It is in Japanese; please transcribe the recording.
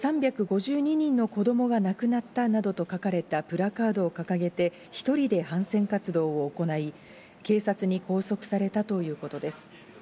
３５２人の子供が亡くなったなどと書かれたプラカードを掲げて１人で反戦活動を行い、警察に拘束されたということです。